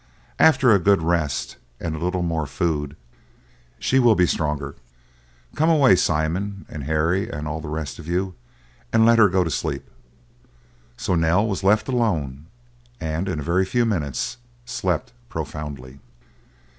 "After a good rest, and a little more food, she will be stronger. Come away, Simon and Harry, and all the rest of you, and let her go to sleep." So Nell was left alone, and in a very few minutes slept profoundly.